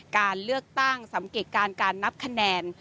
การเลือกตั้งสังเกตการณ์การนับคะแนน